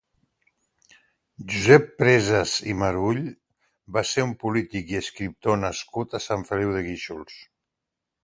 Josep Preses i Marull va ser un polític i escriptor nascut a Sant Feliu de Guíxols.